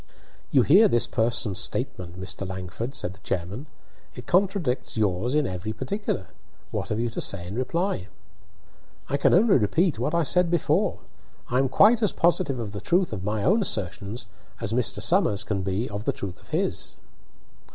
"You hear this person's statement, Mr. Langford," said the chairman. "It contradicts yours in every particular. What have you to say in reply?" "I can only repeat what I said before. I am quite as positive of the truth of my own assertions as Mr. Somers can be of the truth of his."